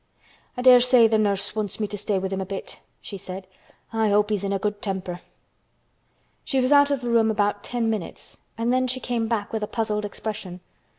"I dare say th' nurse wants me to stay with him a bit," she said. "I hope he's in a good temper." She was out of the room about ten minutes and then she came back with a puzzled expression.